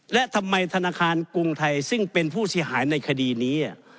และทำไมธนาคารกรุงไทยซึ่งเป็นผู้เสียหายในคดีนี้